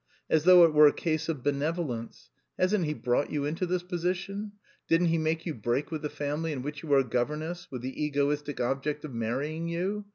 As though it were a case of benevolence! Hasn't he brought you into this position? Didn't he make you break with the family in which you were a governess, with the egoistic object of marrying you?